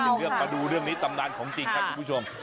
เอ่อเลือกหนึ่ง๑ปากดูเรื่องนี้ตำน้ำของจริงคะทุกคุณผู้ชม